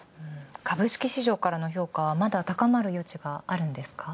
株式市場からの評価はまだ高まる余地があるんですか？